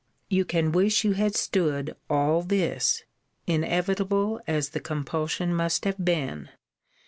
You can wish you had stood all this; inevitable as the compulsion must have been!